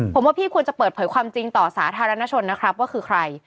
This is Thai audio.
ผมว่าพี่ควรจะเปิดเผยความจริงต่อสาธารณชนนะครับว่าคือใคร